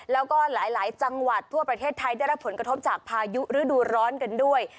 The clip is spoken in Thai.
แล้วก็หลายจังหวัดทั่วประเทศไทยได้รับผลกระทบจากพายุฤดูร้อนกันด้วย